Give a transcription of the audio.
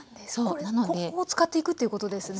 ここを使っていくということですね。